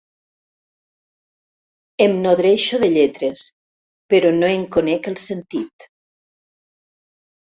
Em nodreixo de lletres però no en conec el sentit.